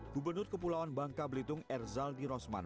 gubernur kepulauan bangka belitung erzaldi rosman